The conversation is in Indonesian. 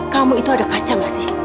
kamu itu ada kaca gak sih